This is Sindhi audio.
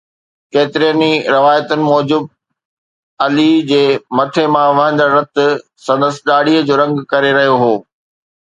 ڪيترين روايتن موجب علي جي مٿي مان وهندڙ رت سندس ڏاڙهيءَ جو رنگ ڪري رهيو هو